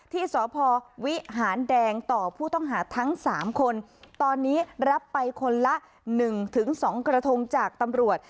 ที่สวิหารแดงต่อผู้ต้องหาทั้งสามคนตอนนี้รับไปคนละหนึ่งถึงสองกระทงจากตำรวจ